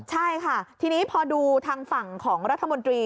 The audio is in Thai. ใช่ค่ะทีนี้พอดูทางฝั่งของรัฐมนตรี